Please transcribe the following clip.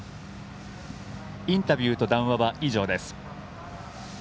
インタビューと談話は以上です。